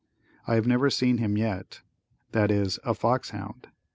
I have never seen him yet, that is, a fox hound.